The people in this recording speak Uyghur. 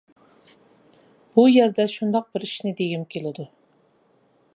بۇ يەردە شۇنداق بىر ئىشنى دېگۈم كېلىدۇ.